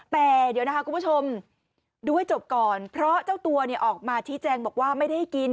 พอจ้าวตัวออกมาทีแจงบอกว่าไม่ได้ให้กิน